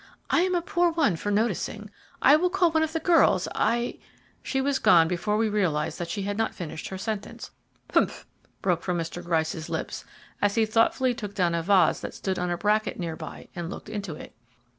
"I am a poor one for noticing. I will call one of the girls, I " She was gone before we realized she had not finished her sentence. "Humph!" broke from Mr. Gryce's lips as he thoughtfully took down a vase that stood on a bracket near by and looked into it.